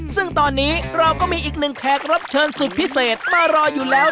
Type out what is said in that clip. ซึ่งตอนนี้เราก็มีอีกหนึ่งแขกรับเชิญสุดพิเศษมารออยู่แล้ว